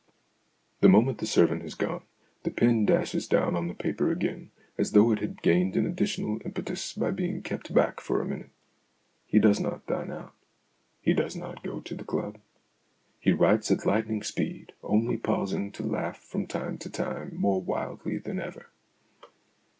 The moment the servant has gone, the pen dashes down on the paper . again, as though it had gained an additional impetus by being kept back for a minute. He does not dine out ; he does not go to the club. He writes at lightning speed, only pausing to laugh from time to time more wildly than ever.